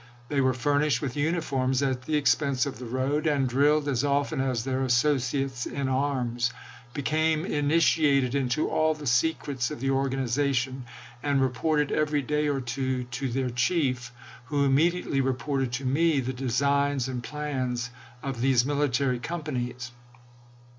They were furnished with uniforms at the expense of the road, and drilled as often as their associates in arms ; became initiated into all the secrets of the organization, and reported every day or two to their chief, who immediately reported to me the designs and plans of these military companies.